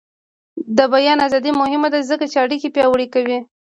د بیان ازادي مهمه ده ځکه چې اړیکې پیاوړې کوي.